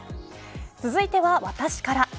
続いては私から。